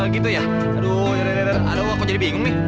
gitu ya aduh aku jadi bingung nih